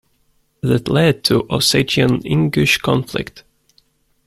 That led to Ossetian-Ingush conflict.